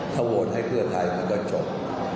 ถ้าโหวตให้เพื่อไทยมันก็จบ